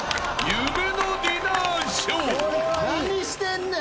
何してんねん！？